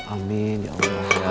amin ya allah ya